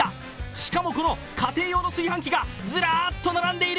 しかもこの家庭用の炊飯器がずらっと並んでいる。